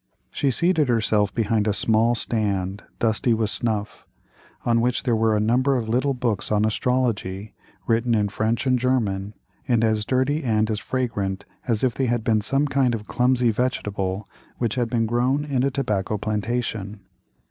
She seated herself behind a small stand, dusty with snuff, on which were a number of little books on astrology, written in French and German, and as dirty and as fragrant as if they had been some kind of clumsy vegetable which had been grown in a tobacco plantation.